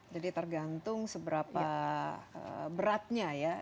jadi tergantung seberapa beratnya ya